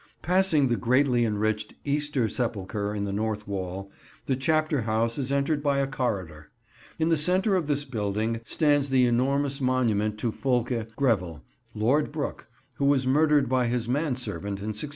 Passing the greatly enriched Easter Sepulchre in the north wall, the Chapter House is entered by a corridor. In the centre of this building stands the enormous monument to Fulke Greville, Lord Brooke, who was murdered by his man servant in 1628.